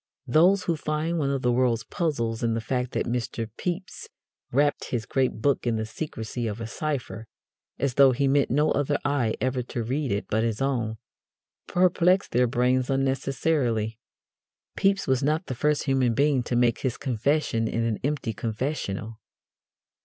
Those who find one of the world's puzzles in the fact that Mr. Pepys wrapped his great book in the secrecy of a cipher, as though he meant no other eye ever to read it but his own, perplex their brains unnecessarily. Pepys was not the first human being to make his confession in an empty confessional.